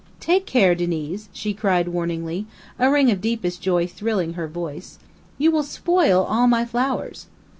"Take care, Diniz," she cried, warningly, a ring of deepest joy thrilling her clear voice. "You will spoil all my flowers!"